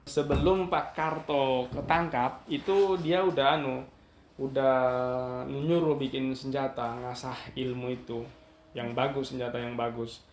sebelum pak karto ketangkap itu dia udah nyuruh bikin senjata ngasah ilmu itu yang bagus senjata yang bagus